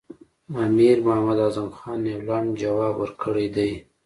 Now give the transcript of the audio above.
امیر محمد اعظم خان یو لنډ ځواب ورکړی دی.